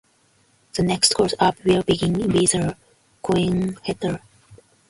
The next course up will begin with a quoin header.